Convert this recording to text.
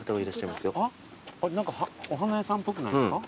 あれ何かお花屋さんっぽくないですか？